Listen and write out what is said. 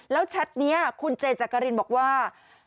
แล้วแชทนี้คุณเจจักรินบอกว่า